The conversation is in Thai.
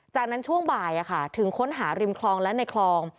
จากนั้นช่วงบ่ายถึงค้นหาริมคลองและในคลอง